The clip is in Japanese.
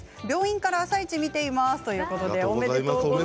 病院から「あさイチ」を見ていますということです。